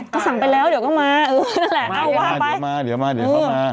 ก็สั่งไปแล้วเดี๋ยวก็มาเออนั่นแหละเอาว่าไปมาเดี๋ยวมาเดี๋ยวเขามา